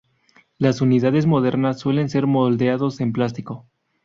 Las unidades modernas suelen ser moldeados en plástico.